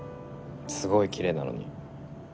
すごいきれいなのに。